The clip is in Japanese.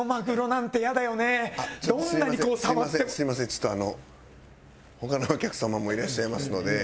ちょっとあの他のお客様もいらっしゃいますので。